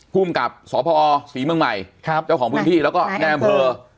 ภูมิกับสพศรีเมืองใหม่เจ้าของพื้นที่แล้วก็ในอำเภอ